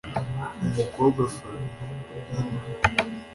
Numukobwa Faina